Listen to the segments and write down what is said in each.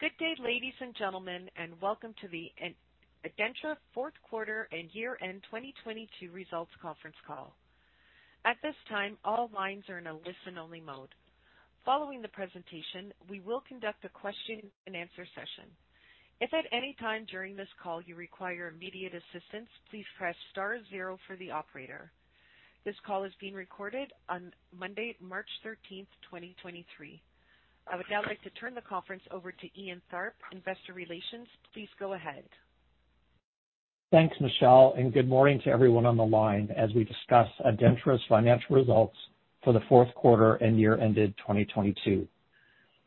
Good day, ladies and gentlemen, welcome to the ADENTRA Fourth Quarter and Year-end 2022 results conference call. At this time, all lines are in a listen-only mode. Following the presentation, we will conduct a question and answer session. If at any time during this call you require immediate assistance, please press star zero for the operator. This call is being recorded on Monday, March 13th, 2023. I would now like to turn the conference over to Ian Tharp, Investor Relations. Please go ahead. Thanks, Michelle. Good morning to everyone on the line as we discuss ADENTRA's financial results for the fourth quarter and year ended 2022.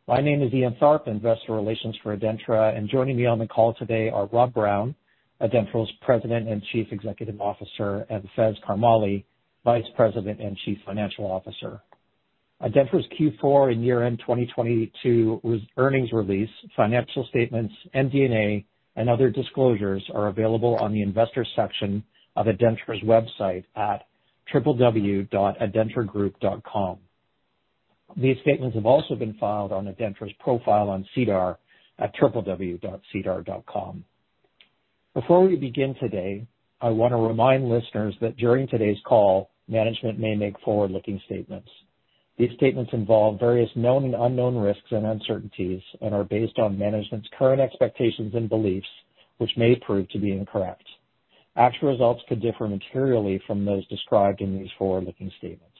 My name is Ian Tharp, Investor Relations for ADENTRA. Joining me on the call today are Rob Brown, ADENTRA's President and Chief Executive Officer, and Faiz Karmali, Vice President and Chief Financial Officer. ADENTRA's Q4 and year-end 2022 earnings release, financial statements, MD&A, and other disclosures are available on the Investors section of ADENTRA's website at www.adentragroup.com. These statements have also been filed on ADENTRA's profile on Sedar at www.sedar.com. Before we begin today, I want to remind listeners that during today's call, management may make forward-looking statements. These statements involve various known and unknown risks and uncertainties and are based on management's current expectations and beliefs, which may prove to be incorrect. Actual results could differ materially from those described in these forward-looking statements.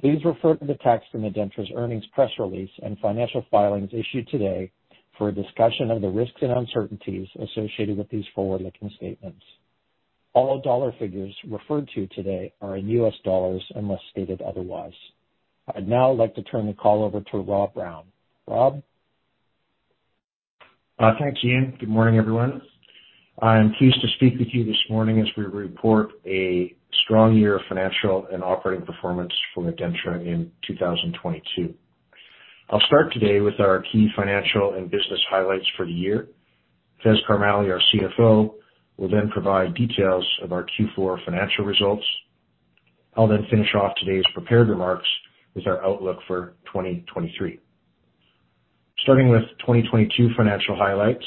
Please refer to the text in ADENTRA's earnings press release and financial filings issued today for a discussion of the risks and uncertainties associated with these forward-looking statements. All dollar figures referred to today are in US dollars unless stated otherwise. I'd now like to turn the call over to Rob Brown. Rob? Thanks Ian. Good morning, everyone. I'm pleased to speak with you this morning as we report a strong year of financial and operating performance for ADENTRA in 2022. I'll start today with our key financial and business highlights for the year. Faiz Karmali, our CFO, will provide details of our Q4 financial results. I'll finish off today's prepared remarks with our outlook for 2023. Starting with 2022 financial highlights.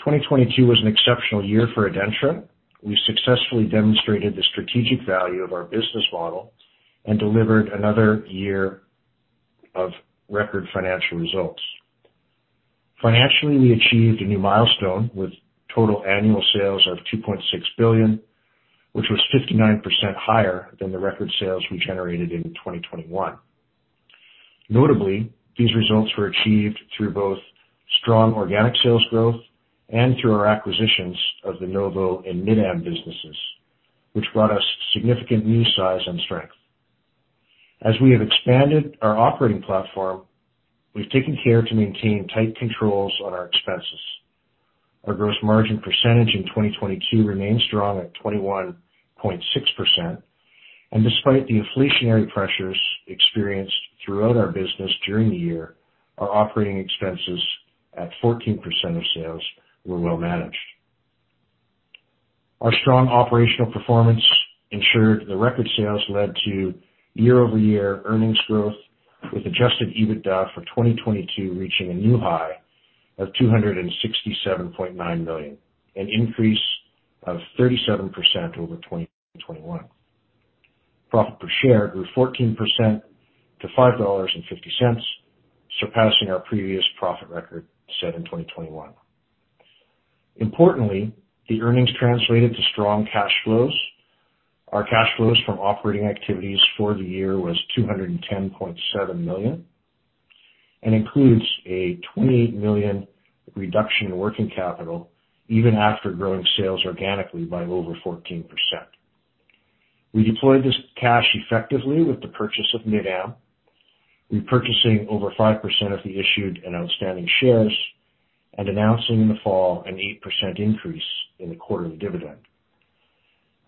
2022 was an exceptional year for ADENTRA. We successfully demonstrated the strategic value of our business model and delivered another year of record financial results. Financially, we achieved a new milestone with total annual sales of $2.6 billion, which was 59% higher than the record sales we generated in 2021. Notably, these results were achieved through both strong organic sales growth and through our acquisitions of the Novo and Mid-Am businesses which brought us significant new size and strength. As we have expanded our operating platform, we've taken care to maintain tight controls on our expenses. Our gross margin percentage in 2022 remains strong at 21.6%, and despite the inflationary pressures experienced throughout our business during the year, our operating expenses at 14% of sales were well managed. Our strong operational performance ensured the record sales led to year-over-year earnings growth with Adjusted EBITDA for 2022 reaching a new high of $267.9 million, an increase of 37% over 2021. Profit per share grew 14% to $5.50, surpassing our previous profit record set in 2021. Importantly, the earnings translated to strong cash flows. Our cash flows from operating activities for the year was $210.7 million and includes a $28 million reduction in working capital even after growing sales organically by over 14%. We deployed this cash effectively with the purchase of Mid-Am, repurchasing over 5% of the issued and outstanding shares, and announcing in the fall an 8% increase in the quarterly dividend.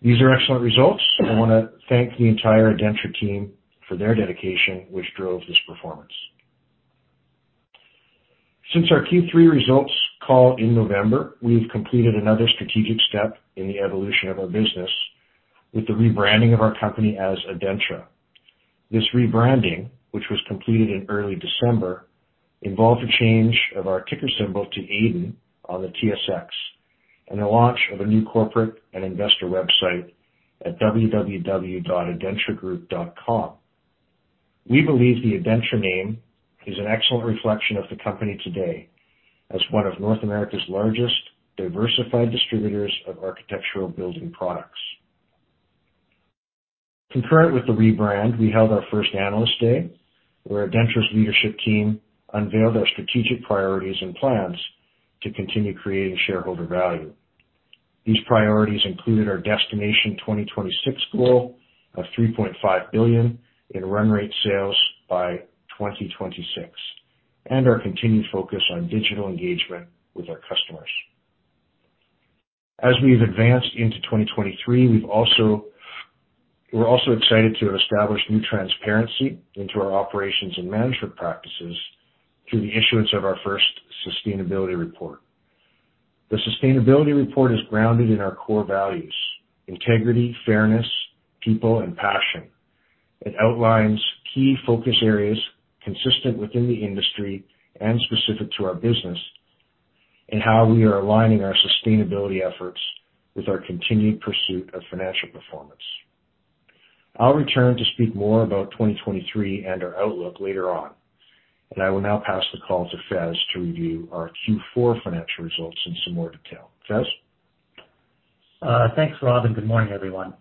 These are excellent results. I wanna thank the entire ADENTRA team for their dedication which drove this performance. Since our Q3 results call in November, we've completed another strategic step in the evolution of our business with the rebranding of our company as ADENTRA. This rebranding, which was completed in early December, involved a change of our ticker symbol to ADEN on the TSX and the launch of a new corporate and investor website at www.adentragroup.com. We believe the ADENTRA name is an excellent reflection of the company today as one of North America's largest diversified distributors of architectural building products. Concurrent with the rebrand, we held our first Analyst Day, where ADENTRA's leadership team unveiled our strategic priorities and plans to continue creating shareholder value. These priorities included our Destination 2026 goal of $3.5 billion in run rate sales by 2026, and our continued focus on digital engagement with our customers. As we've advanced into 2023, we're also excited to have established new transparency into our operations and management practices through the issuance of our first sustainability report. The sustainability report is grounded in our core values integrity, fairness, people and passion. It outlines key focus areas consistent within the industry and specific to our business, and how we are aligning our sustainability efforts with our continued pursuit of financial performance. I'll return to speak more about 2023 and our outlook later on. I will now pass the call to Faiz to review our Q4 financial results in some more detail. Faiz. Thanks Rob and good morning everyone.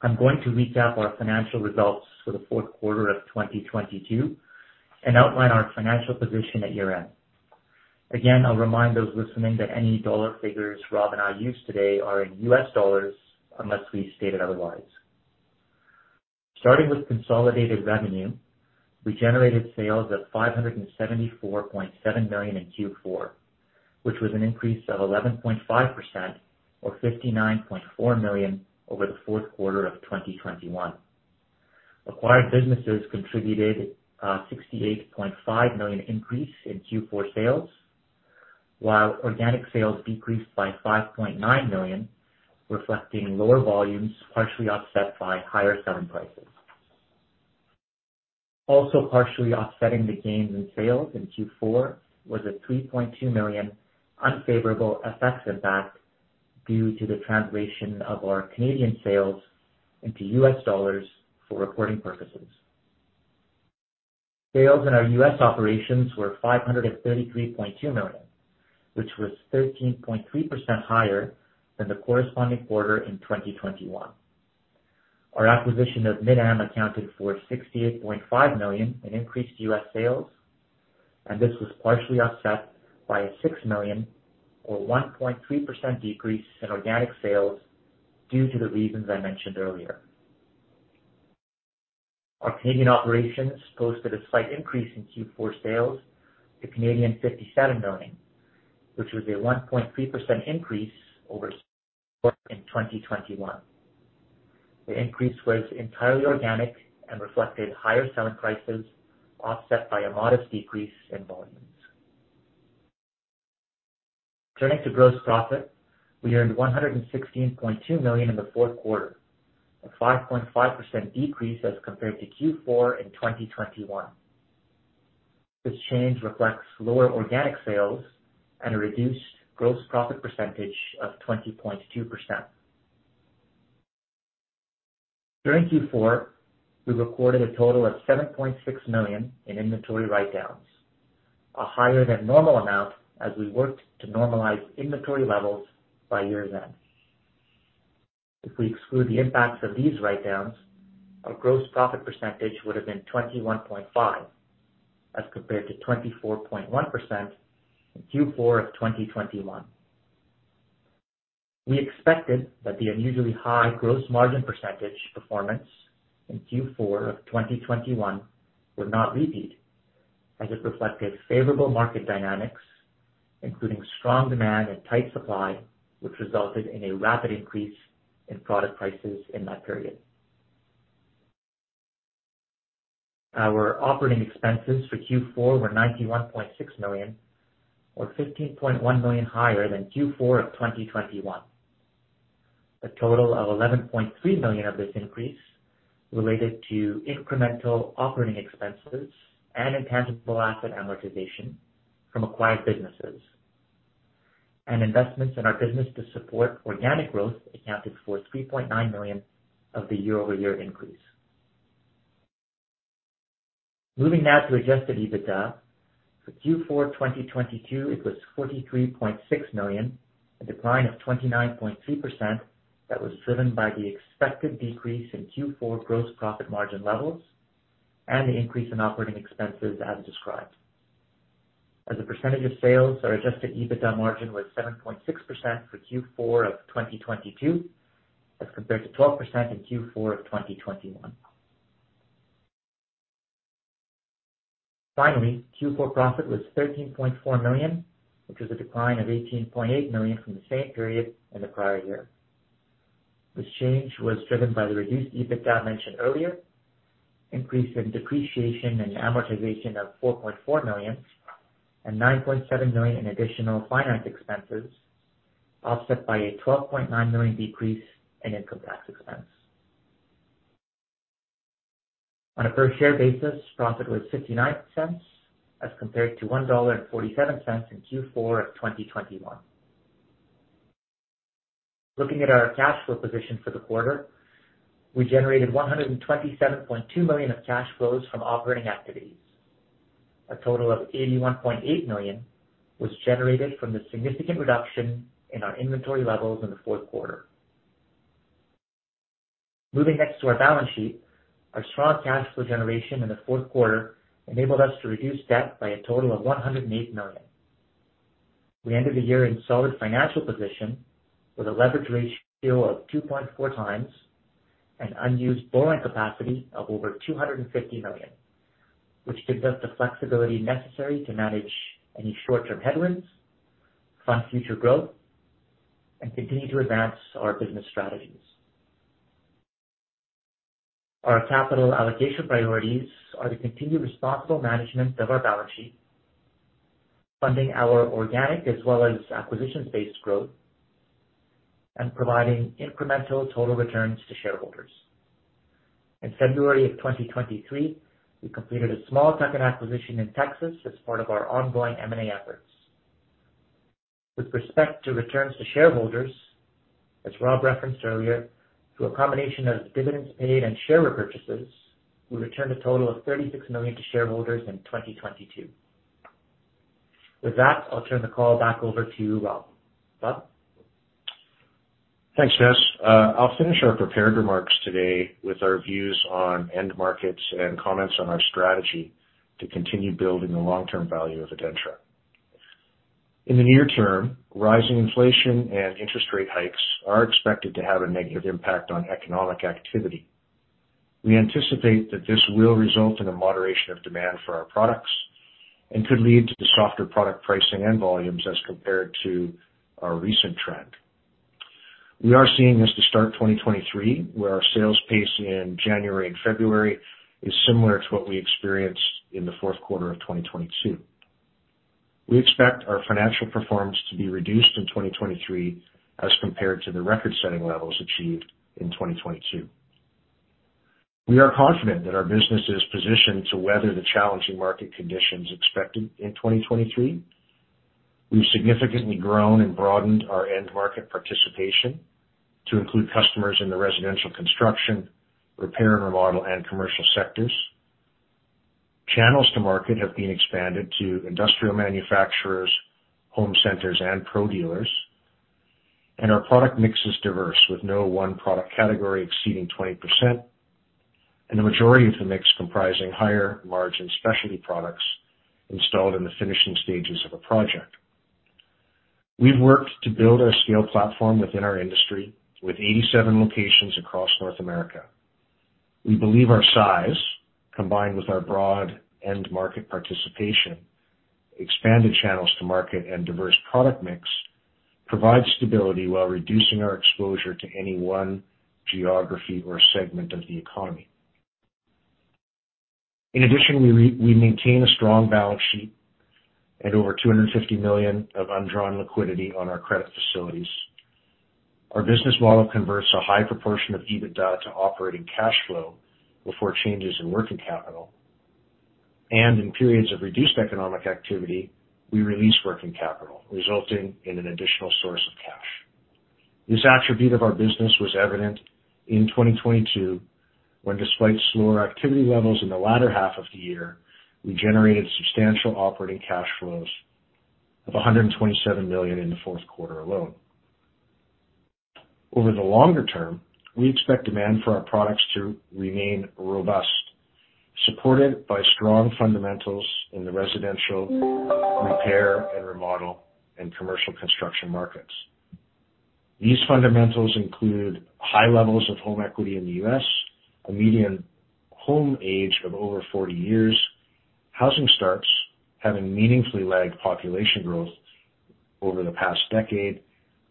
I'm going to recap our financial results for the fourth quarter of 2022 and outline our financial position at year-end. Again, I'll remind those listening that any dollar figures Rob and I use today are in U.S. dollars unless we stated otherwise. Starting with consolidated revenue, we generated sales of $574.7 million in Q4, which was an increase of 11.5% or $59.4 million over the fourth quarter of 2021. Acquired businesses contributed $68.5 million increase in Q4 sales, while organic sales decreased by $5.9 million, reflecting lower volumes, partially offset by higher selling prices. Partially offsetting the gain in sales in Q4 was a $3.2 million unfavorable FX impact due to the translation of our Canadian sales into U.S. dollars for recording purposes. Sales in our U.S. operations were $533.2 million, which was 13.3% higher than the corresponding quarter in 2021. Our acquisition of Mid-Am accounted for $68.5 million in increased U.S. sales, and this was partially offset by a $6 million or 1.3% decrease in organic sales due to the reasons I mentioned earlier. Our Canadian operations posted a slight increase in Q4 sales to 57 million Canadian dollars, which was a 1.3% increase over in 2021. The increase was entirely organic and reflected higher selling prices, offset by a modest decrease in volumes. Turning to gross profit. We earned $116.2 million in the fourth quarter, a 5.5% decrease as compared to Q4 in 2021. This change reflects lower organic sales and a reduced gross profit percentage of 20.2%. During Q4, we recorded a total of $7.6 million in inventory write-downs, a higher than normal amount as we worked to normalize inventory levels by year-end. If we exclude the impacts of these write-downs, our gross profit percentage would have been 21.5%, as compared to 24.1% in Q4 of 2021. We expected that the unusually high gross margin percentage performance in Q4 of 2021 would not repeat, as it reflected favorable market dynamics, including strong demand and tight supply, which resulted in a rapid increase in product prices in that period. Our operating expenses for Q4 were $91.6 million or $15.1 million higher than Q4 of 2021. A total of $11.3 million of this increase related to incremental operating expenses and intangible asset amortization from acquired businesses. Investments in our business to support organic growth accounted for $3.9 million of the year-over-year increase. Moving now to Adjusted EBITDA. For Q4 2022, it was $43.6 million, a decline of 29.3% that was driven by the expected decrease in Q4 gross profit margin levels and the increase in operating expenses as described. As a percentage of sales, our Adjusted EBITDA margin was 7.6% for Q4 2022 as compared to 12% in Q4 2021. Finally, Q4 profit was $13.4 million, which was a decline of $18.8 million from the same period in the prior year. This change was driven by the reduced EBITDA I mentioned earlier, increase in depreciation and amortization of $4.4 million and $9.7 million in additional finance expenses, offset by a $12.9 million decrease in income tax expense. On a per share basis, profit was $0.69 as compared to $1.47 in Q4 of 2021. Looking at our cash flow position for the quarter, we generated $127.2 million of cash flows from operating activities. A total of $81.8 million was generated from the significant reduction in our inventory levels in the fourth quarter. Moving next to our balance sheet. Our strong cash flow generation in the fourth quarter enabled us to reduce debt by a total of $108 million. We ended the year in solid financial position with a leverage ratio of 2.4x and unused borrowing capacity of over $250 million, which gives us the flexibility necessary to manage any short-term headwinds, fund future growth and continue to advance our business strategies. Our capital allocation priorities are the continued responsible management of our balance sheet, funding our organic as well as acquisition-based growth, and providing incremental total returns to shareholders. In February of 2023, we completed a small second acquisition in Texas as part of our ongoing M&A efforts. With respect to returns to shareholders, as Rob referenced earlier, through a combination of dividends paid and share repurchases, we returned a total of $36 million to shareholders in 2022. I'll turn the call back over to you, Rob. Rob? Thanks Faiz. I'll finish our prepared remarks today with our views on end markets and comments on our strategy to continue building the long-term value of ADENTRA. In the near term, rising inflation and interest rate hikes are expected to have a negative impact on economic activity. We anticipate that this will result in a moderation of demand for our products and could lead to softer product pricing and volumes as compared to our recent trend. We are seeing this to start 2023, where our sales pace in January and February is similar to what we experienced in the fourth quarter of 2022. We expect our financial performance to be reduced in 2023 as compared to the record-setting levels achieved in 2022. We are confident that our business is positioned to weather the challenging market conditions expected in 2023. We've significantly grown and broadened our end market participation to include customers in the residential construction, repair and remodel, and commercial sectors. Channels to market have been expanded to industrial manufacturers, home centers, and pro dealers. Our product mix is diverse, with no one product category exceeding 20%, and the majority of the mix comprising higher margin specialty products installed in the finishing stages of a project. We've worked to build our scale platform within our industry with 87 locations across North America. We believe our size, combined with our broad end market participation, expanded channels to market and diverse product mix, provides stability while reducing our exposure to any one geography or segment of the economy. In addition, we maintain a strong balance sheet and over $250 million of undrawn liquidity on our credit facilities. Our business model converts a high proportion of EBITDA to operating cash flow before changes in working capital. In periods of reduced economic activity, we release working capital, resulting in an additional source of cash. This attribute of our business was evident in 2022, when despite slower activity levels in the latter half of the year, we generated substantial operating cash flows of $127 million in the fourth quarter alone. Over the longer term, we expect demand for our products to remain robust, supported by strong fundamentals in the residential repair and remodel and commercial construction markets. These fundamentals include high levels of home equity in the U.S., a median home age of over 40 years, housing starts having meaningfully lagged population growth over the past decade,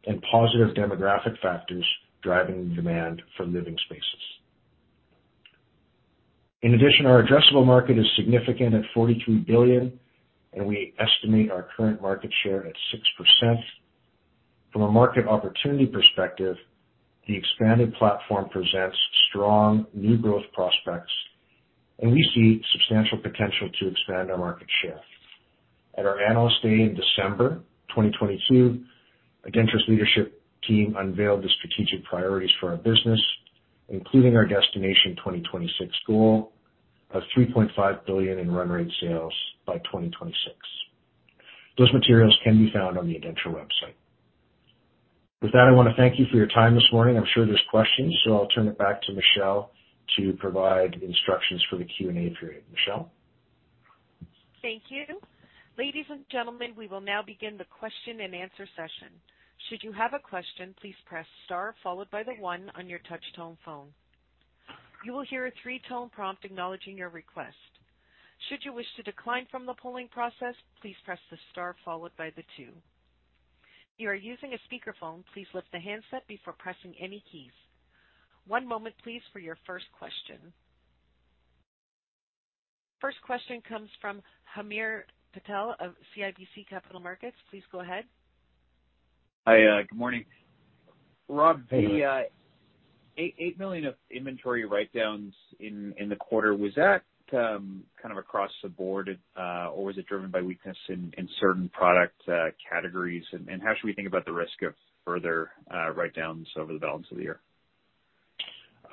and positive demographic factors driving demand for living spaces. In addition, our addressable market is significant at $43 billion, and we estimate our current market share at 6%. From a market opportunity perspective, the expanded platform presents strong new growth prospects, and we see substantial potential to expand our market share. At our Analyst Day in December 2022, ADENTRA's leadership team unveiled the strategic priorities for our business, including our Destination 2026 goal of $3.5 billion in run rate sales by 2026. Those materials can be found on the ADENTRA website. With that, I wanna thank you for your time this morning. I'm sure there's questions, so I'll turn it back to Michelle to provide instructions for the Q&A period. Michelle? Thank you. Ladies and gentlemen, we will now begin the question and answer session. Should you have a question, please press star followed by the one on your touch tone phone. You will hear a three-tone prompt acknowledging your request. Should you wish to decline from the polling process, please press the star followed by the two. If you are using a speakerphone, please lift the handset before pressing any keys. One moment please for your first question. First question comes from Hamir Patel of CIBC Capital Markets. Please go ahead. Hi, good morning. Rob. Hey. The $8 million of inventory write-downs in the quarter, was that kind of across the board or was it driven by weakness in certain product categories? How should we think about the risk of further write-downs over the balance of the year?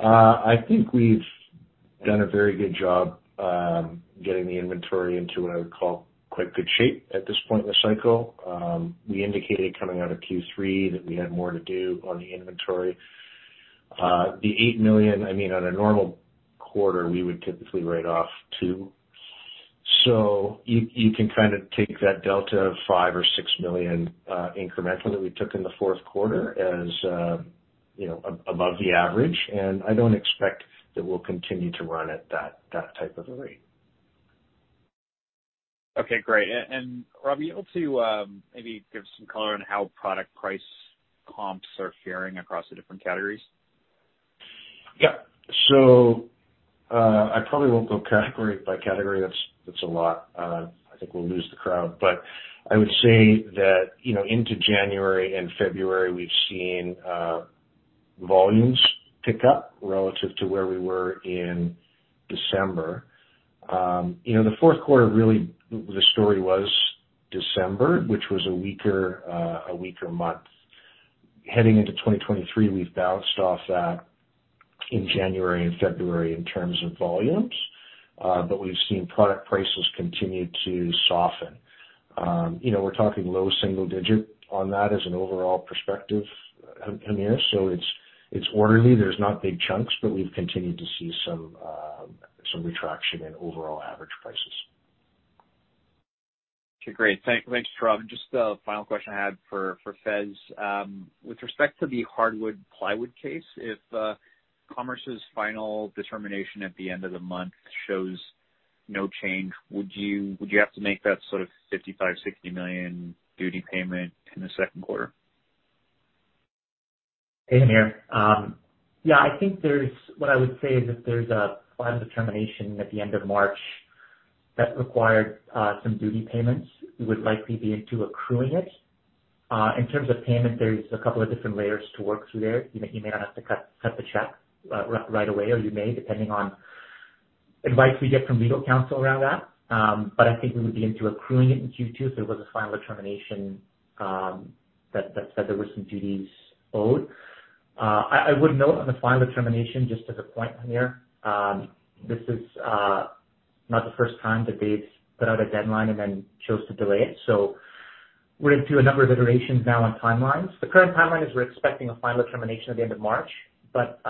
I think we've done a very good job getting the inventory into what I would call quite good shape at this point in the cycle. We indicated coming out of Q3 that we had more to do on the inventory. The $8 million, I mean, on a normal quarter, we would typically write off $2 million. You can kind of take that delta of $5 million or $6 million incremental that we took in the fourth quarter as, you know, above the average, and I don't expect that we'll continue to run at that type of a rate. Okay, great. Rob, are you able to, maybe give some color on how product price comps are faring across the different categories? Yeah. I probably won't go category by category. That's a lot. I think we'll lose the crowd, but I would say that, you know, into January and February, we've seen volumes pick up relative to where we were in December. You know, the fourth quarter, really the story was December, which was a weaker month. Heading into 2023, we've bounced off that in January and February in terms of volumes, we've seen product prices continue to soften. You know, we're talking low single-digit on that as an overall perspective, Hamir, so it's orderly. There's not big chunks, but we've continued to see some retraction in overall average prices. Okay great. Thanks Rob. Just a final question I had for Faiz. With respect to the hardwood plywood case, if Commerce's final determination at the end of the month shows no change, would you have to make that sort of $55 million-$60 million duty payment in the second quarter? Hey Hamir. Yeah, I think what I would say is if there's a final determination at the end of March that required some duty payments, we would likely be into accruing it. In terms of payment, there's a couple of different layers to work through there. You know, you may not have to cut the check right away, or you may, depending on advice we get from legal counsel around that. I think we would be into accruing it in Q2 if there was a final determination that said there was some duties owed. I would note on the final determination, just as a point, Hamir, this is not the first time that they've put out a deadline and then chose to delay it. We're into a number of iterations now on timelines. The current timeline is we're expecting a final determination at the end of March but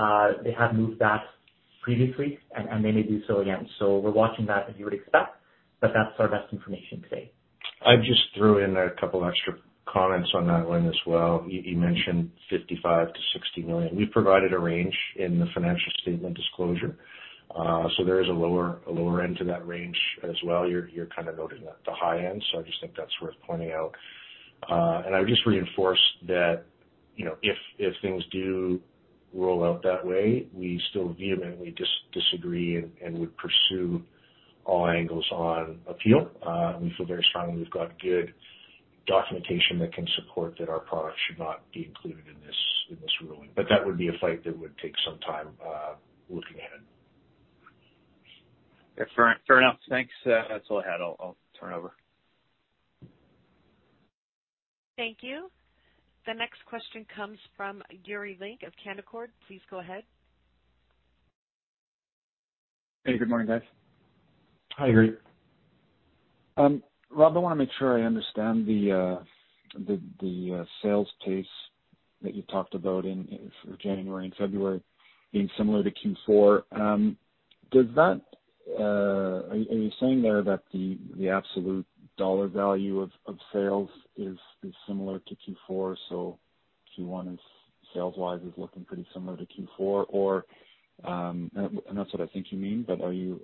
they have moved that previously and they may do so again. We're watching that, as you would expect, but that's our best information today. I'd just threw in a couple extra comments on that one as well. You mentioned $55 million-$60 million. We've provided a range in the financial statement disclosure. There is a lower end to that range as well. You're kind of noting the high end. I just think that's worth pointing out. I would just reinforce that, you know, if things do roll out that way, we still vehemently disagree and would pursue all angles on appeal. We feel very strongly we've got good documentation that can support that our products should not be included in this ruling. That would be a fight that would take some time, looking at it. Yeah, fair enough. Thanks. That's all I had. I'll turn it over. Thank you. The next question comes from Yuri Lynk of Canaccord. Please go ahead. Hey, good morning guys. Hi, Yuri. Rob, I wanna make sure I understand the sales pace that you talked about in January and February being similar to Q4. Are you saying there that the absolute dollar value of sales is similar to Q4? Q1 is sales wise is looking pretty similar to Q4 or, and that's what I think you mean, but are you,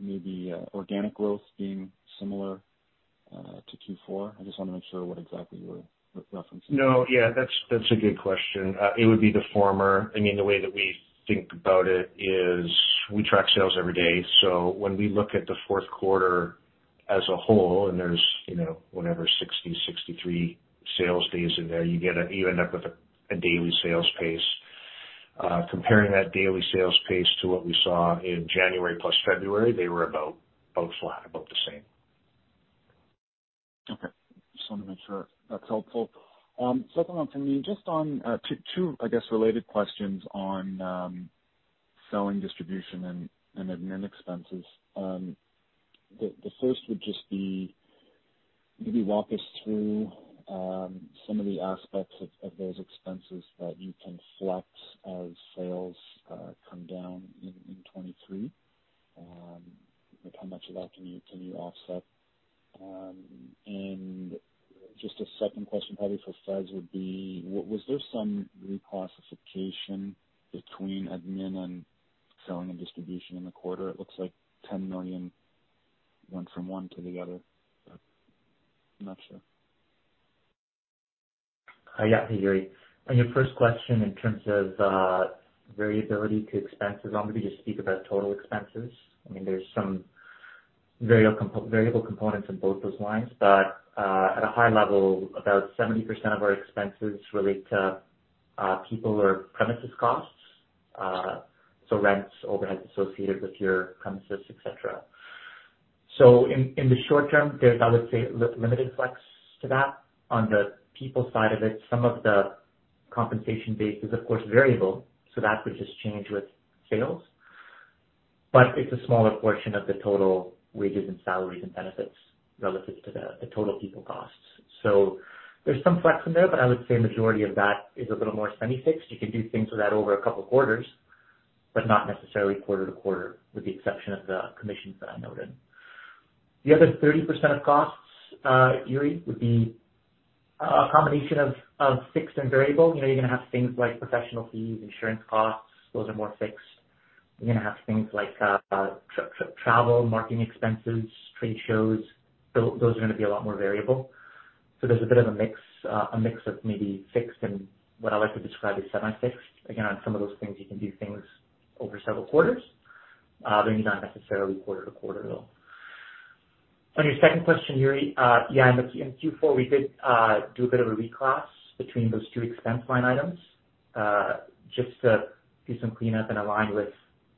maybe, organic growth being similar to Q4? I just wanna make sure what exactly you're referencing? Yeah, that's a good question. It would be the former. I mean, the way that we think about it is we track sales every day. When we look at the fourth quarter as a whole and there's, you know, whatever, 60, 63 sales days in there, you end up with a daily sales pace. Comparing that daily sales pace to what we saw in January plus February, they were about flat, about the same. Okay. Just wanted to make sure. That's helpful. Second one for me, just on two, I guess, related questions on selling distribution and admin expenses. The first would just be maybe walk us through some of the aspects of those expenses that you can flex as sales come down in 2023. Like how much of that can you offset? Just a second question probably for Faiz would be, was there some reclassification between admin and selling and distribution in the quarter? It looks like $10 million went from one to the other but I'm not sure. Yeah. Hey Yuri. On your first question, in terms of variability to expenses, I'll maybe just speak about total expenses. I mean, there's some variable components in both those lines. At a high level, about 70% of our expenses relate to people or premises costs, so rents, overheads associated with your premises, et cetera. In the short term, there's I would say limited flex to that. On the people side of it, some of the compensation base is of course variable, so that would just change with sales. It's a smaller portion of the total wages and salaries and benefits relative to the total people costs. There's some flex in there but I would say majority of that is a little more semi-fixed. You can do things with that over a couple of quarters, but not necessarily quarter-to-quarter, with the exception of the commissions that I noted. The other 30% of costs, Yuri. A combination of fixed and variable. You know, you're gonna have things like professional fees, insurance costs. Those are more fixed. You're gonna have things like travel, marketing expenses, trade shows. Those are gonna be a lot more variable. There's a bit of a mix, a mix of maybe fixed and what I like to describe as semi-fixed. Again, on some of those things you can do things over several quarters, they're not necessarily quarter-to-quarter though. On your second question, Yuri, yeah, in Q4 we did do a bit of a reclass between those two expense line items, just to do some cleanup and align with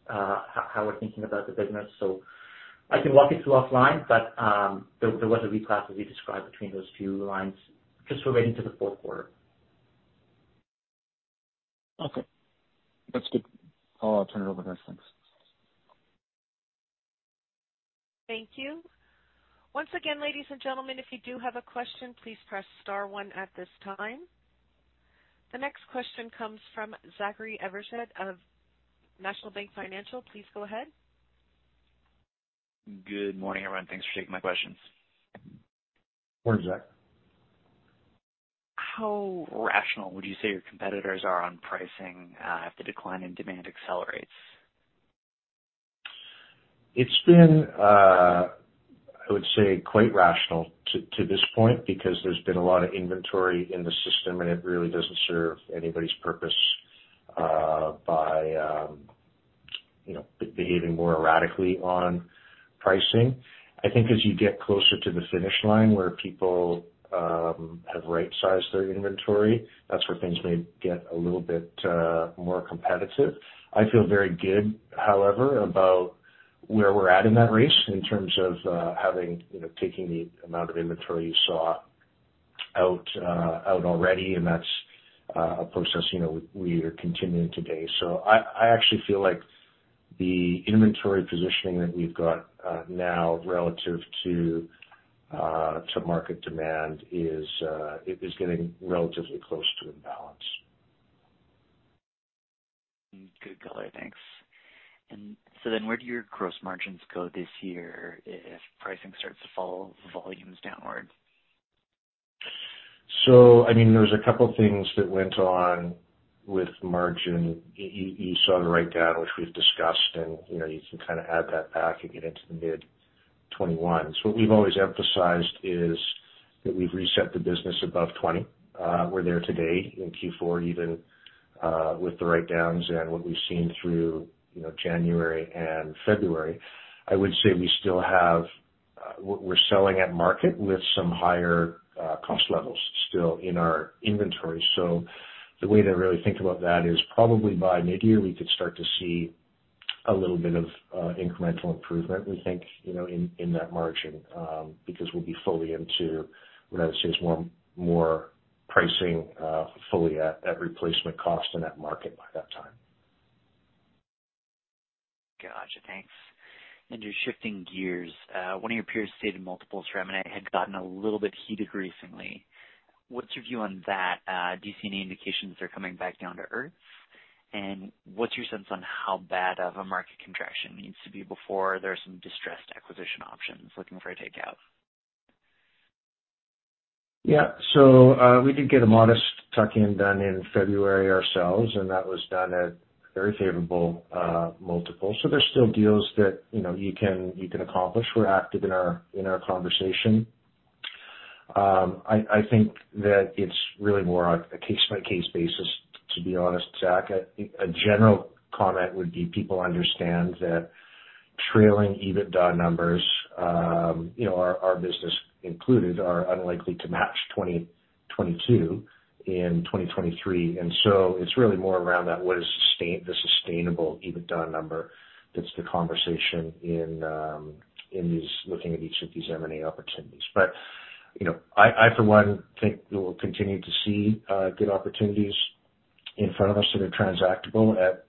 how we're thinking about the business. I can walk you through offline but there was a reclass, as we described between those two lines just relating to the fourth quarter. Okay, that's good. I'll turn it over, guys. Thanks. Thank you. Once again, ladies and gentlemen, if you do have a question, please press star one at this time. The next question comes from Zachary Evershed of National Bank Financial. Please go ahead. Good morning, everyone. Thanks for taking my questions. Morning, Zach. How rational would you say your competitors are on pricing, if the decline in demand accelerates? It's been, I would say quite rational to this point because there's been a lot of inventory in the system and it really doesn't serve anybody's purpose by, you know, behaving more erratically on pricing. I think as you get closer to the finish line where people have right-sized their inventory that's where things may get a little bit more competitive. I feel very good, however, about where we're at in that race in terms of having, you know, taking the amount of inventory you saw out already, and that's a process, you know, we are continuing today. I actually feel like the inventory positioning that we've got now relative to market demand is it is getting relatively close to in balance. Good color. Thanks. Where do your gross margins go this year if pricing starts to fall, volumes downward? I mean, there's two things that went on with margin. You saw the write down, which we've discussed, and, you know, you can kind of add that back and get into the mid-21. What we've always emphasized is that we've reset the business above 20. We're there today in Q4 even with the write downs and what we've seen through, you know, January and February. I would say we still have. We're selling at market with some higher cost levels still in our inventory. The way to really think about that is probably by mid-year we could start to see a little bit of incremental improvement, we think, you know, in that margin, because we'll be fully into what I would say is more pricing, fully at replacement cost in that market by that time. Gotcha. Thanks. Just shifting gears, one of your peers stated multiples for M&A had gotten a little bit heated recently. What's your view on that? Do you see any indications they're coming back down to Earth? What's your sense on how bad of a market contraction needs to be before there are some distressed acquisition options, looking for a takeout? Yeah. We did get a modest tuck-in done in February ourselves, and that was done at very favorable multiples. There's still deals that, you know, you can accomplish. We're active in our conversation. I think that it's really more on a case-by-case basis, to be honest Zach. A general comment would be people understand that trailing EBITDA numbers, you know, our business included, are unlikely to match 2022 in 2023. It's really more around that what is the sustainable EBITDA number that's the conversation looking at each of these M&A opportunities. You know, I for one think we will continue to see good opportunities in front of us that are transactable at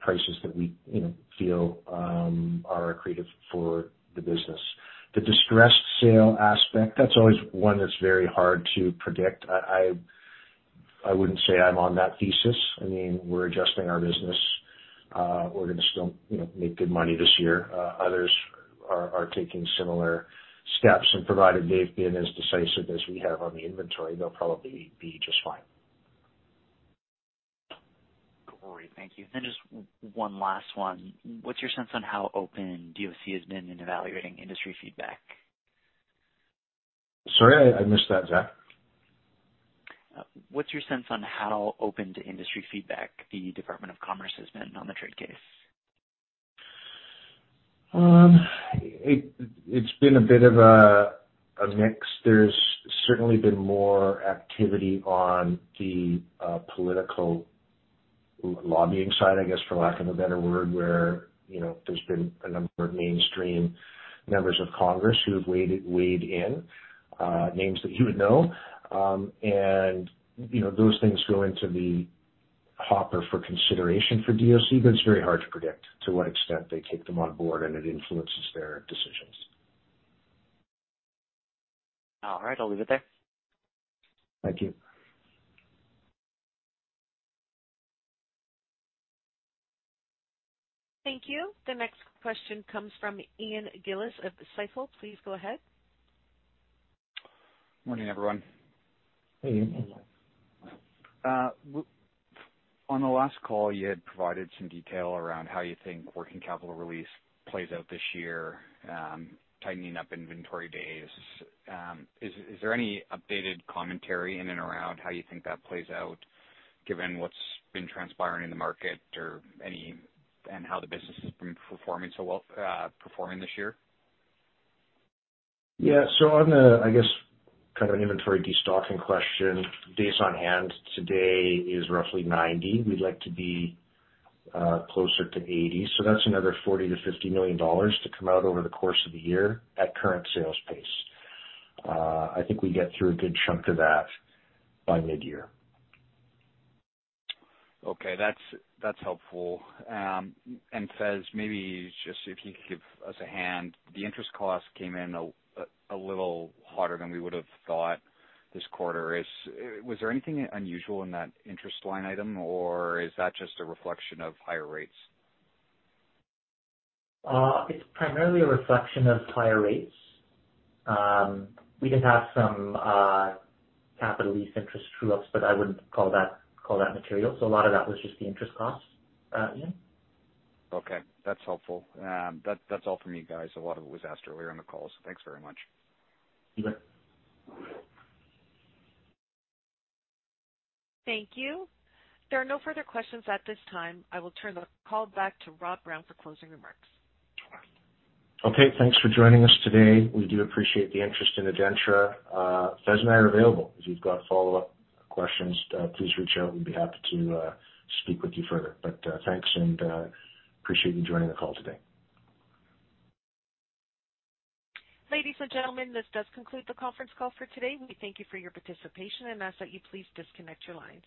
prices that we, you know, feel are accretive for the business. The distressed sale aspect, that's always one that's very hard to predict. I wouldn't say I'm on that thesis. I mean, we're adjusting our business. We're gonna still, you know, make good money this year. Others are taking similar steps, and provided they've been as decisive as we have on the inventory, they'll probably be just fine. Great. Thank you. Just one last one. What's your sense on how open DOC has been in evaluating industry feedback? Sorry, I missed that, Zach. What's your sense on how open to industry feedback the Department of Commerce has been on the trade case? It's been a bit of a mix. There's certainly been more activity on the political lobbying side, I guess, for lack of a better word, where, you know, there's been a number of mainstream members of Congress who have weighed in names that you would know. You know, those things go into the hopper for consideration for DOC but it's very hard to predict to what extent they take them on board and it influences their decisions. All right. I'll leave it there. Thank you. Thank you. The next question comes from Ian Gillies of Stifel. Please go ahead. Morning everyone. Hey, Ian. On the last call, you had provided some detail around how you think working capital release plays out this year, tightening up inventory days. Is there any updated commentary in and around how you think that plays out given what's been transpiring in the market and how the business has been performing so well, performing this year? Yeah. On the, I guess, kind of an inventory destocking question, days on hand today is roughly 90. We'd like to be closer to 80. That's another $40 million-$50 million to come out over the course of the year at current sales pace. I think we get through a good chunk of that by mid-year. Okay. That's, that's helpful. Faiz, maybe just if you could give us a hand, the interest cost came in a little hotter than we would have thought this quarter. Was there anything unusual in that interest line item, or is that just a reflection of higher rates? It's primarily a reflection of higher rates. We did have some, capital lease interest true-ups but I wouldn't call that material. A lot of that was just the interest cost, Ian. Okay. That's helpful. That's all from me, guys. A lot of it was asked earlier on the call, so thanks very much. You bet. Thank you. There are no further questions at this time. I will turn the call back to Rob Brown for closing remarks. Okay. Thanks for joining us today. We do appreciate the interest in ADENTRA. Faiz and I are available if you've got follow-up questions. Please reach out. We'd be happy to speak with you further. Thanks and appreciate you joining the call today. Ladies and gentlemen, this does conclude the conference call for today. We thank you for your participation and ask that you please disconnect your lines.